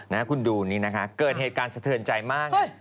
นะคุณดูนี่นะคะเกิดเหตุการณ์สะเทือนใจมาก